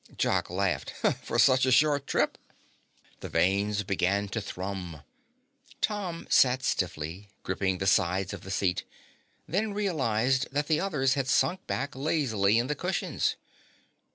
Jock laughed. "For such a short trip?" The vanes began to thrum. Tom sat stiffly, gripping the sides of the seat, then realized that the others had sunk back lazily in the cushions.